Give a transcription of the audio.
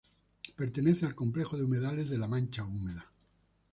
Pertenece al complejo de humedales de la Mancha húmeda.